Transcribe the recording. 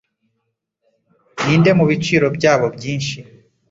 Ninde mubiciro byabo byinshi